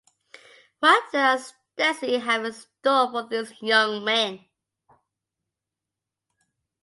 What does destiny have in store for these young men?